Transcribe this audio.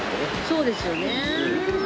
そうですよね。